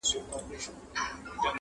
په دې سپي کي کمالونه معلومېږي,